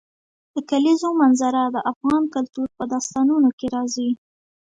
د کلیزو منظره د افغان کلتور په داستانونو کې راځي.